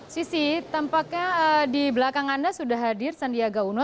sisi tampaknya di belakang anda sudah hadir sandiaga uno